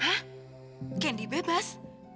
hah candy bebas